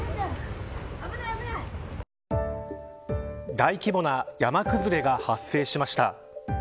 大規模な山崩れが発生しました。